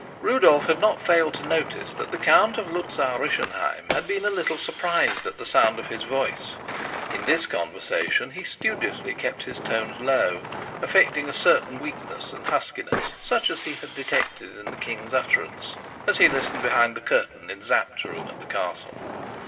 Rudolf had not failed to notice that the Count of Luzau Rischenheim had been a little surprised at the sound of his voice; in this conversation he studiously kept his tones low, affecting a certain weakness and huskiness such as he had detected in the king's utterances, as he listened behind the curtain in Sapt's room at the castle.